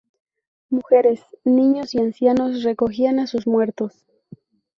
Mujeres, niños y ancianos recogían a sus muertos.